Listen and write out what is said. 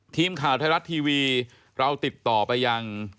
ทีมข่าวไทยรัฐทีวีเราติดต่อไปยัง